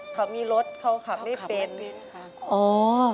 เขามีรถเขาขับไม่เป็นค่ะ